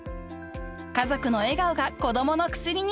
［家族の笑顔が子供の薬に］